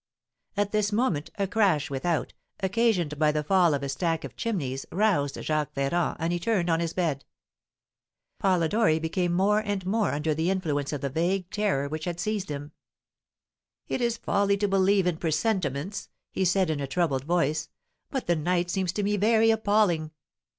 At this moment, a crash without, occasioned by the fall of a stack of chimneys, roused Jacques Ferrand, and he turned on his bed. Polidori became more and more under the influence of the vague terror which had seized on him. "It is folly to believe in presentments," he said, in a troubled voice; "but the night seems to me very appalling!"